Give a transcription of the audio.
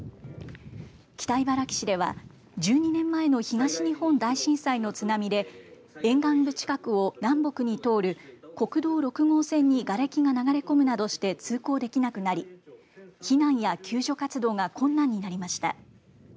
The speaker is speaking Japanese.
北茨城市では１２年前の東日本大震災の津波で沿岸部近くを南北に通る国道６号線にがれきが流れ込むなどして通行できなくなり避難や救助活動が困難になりました。